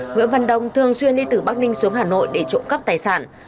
nguyễn văn đông thường xuyên đi từ bắc ninh xuống hà nội để trộm cắp tài sản